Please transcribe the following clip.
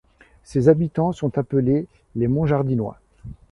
Ses habitants sont appelés les Montjardinois.